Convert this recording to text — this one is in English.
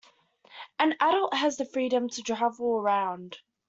An adult has the freedom to travel around.